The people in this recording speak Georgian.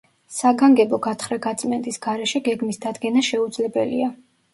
საგანგებო გათხრა-გაწმენდის გარეშე გეგმის დადგენა შეუძლებელია.